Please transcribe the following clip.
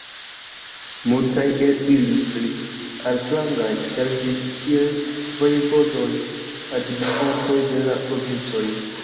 Multaj el ili, pli altrangaj, servis kiel vojevodoj, administrantoj de la provincoj.